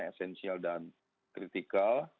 esensial dan kritikal